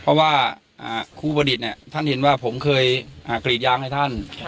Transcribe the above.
เพราะว่าครูประดิษฐ์ท่านเห็นว่าผมเคยกรีดยางให้ท่าน